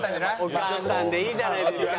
お母さんでいいじゃないですか。